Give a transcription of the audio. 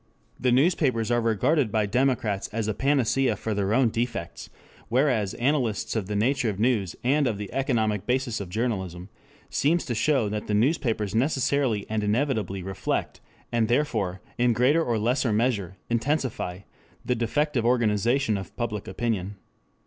The newspapers are regarded by democrats as a panacea for their own defects, whereas analysis of the nature of news and of the economic basis of journalism seems to show that the newspapers necessarily and inevitably reflect, and therefore, in greater or lesser measure, intensify, the defective organization of public opinion.